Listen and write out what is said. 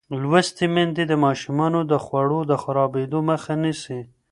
لوستې میندې د ماشومانو د خوړو د خرابېدو مخه نیسي.